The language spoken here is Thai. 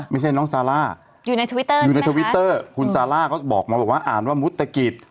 ไม่ใช่น้องซาร่าอยู่ในทวิตเตอร์คุณซาร่าเขาบอกมาว่าอ่านว่ามุษตกิจ